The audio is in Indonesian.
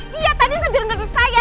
dia tadi sedang ngecelakain saya